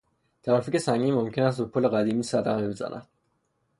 ترافیک سنگین ممکن است به پل قدیمی صدمه بزند.